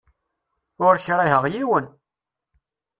Ur kriheɣ yiwen!